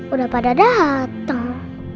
udah pada datang